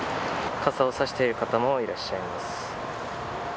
傘を差している方もいらっしゃいます。